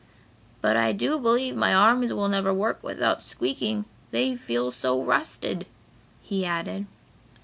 "But I do believe my arms will never work without squeaking, they feel so rusted," he added.